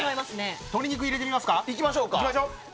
鶏肉入れてみますか。